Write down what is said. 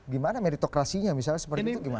gimana meritokrasinya misalnya seperti itu gimana